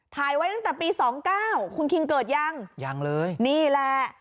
ถ่ายไว้ตั้งแต่ปีสองเก้าคุณคิงเกิดยังยังเลยนี่แหละ